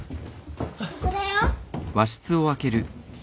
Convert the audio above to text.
ここだよ。